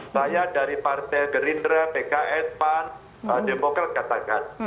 saya dari partai gerindra pks pan demokrat katakan